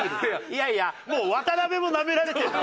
いやいやもう渡辺もなめられてる。